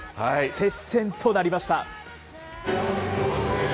接戦となりました。